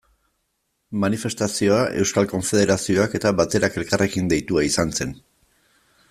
Manifestazioa Euskal Konfederazioak eta Baterak elkarrekin deitua izan zen.